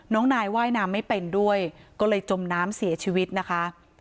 นายว่ายน้ำไม่เป็นด้วยก็เลยจมน้ำเสียชีวิตนะคะ